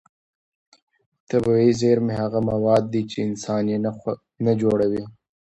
طبیعي زېرمې هغه مواد دي چې انسان یې نه جوړوي.